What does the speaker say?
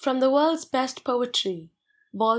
The WorldsVest Poetry Vol.!